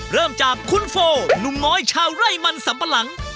เริ่มจากคุณโฟหนุ่มน้อยชาวไร่มันสัมปะหลัง